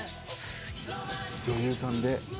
女優さんで。